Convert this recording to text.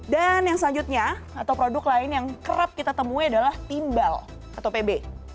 dan yang selanjutnya atau produk lain yang kerap kita temui adalah timbal atau pb